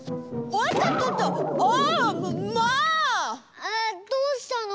あっどうしたの？